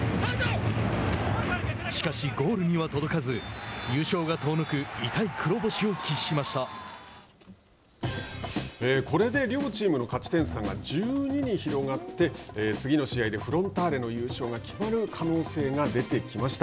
しかし、ゴールには届かず優勝が遠のくこれで両チームの勝ち点差が１２に広がって次の試合でフロンターレの優勝が決まる可能性が出てきました。